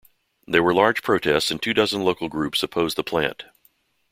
There were large protests and two dozen local groups opposed the plant.